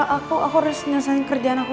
aku harus nyelesaikan kerjaan aku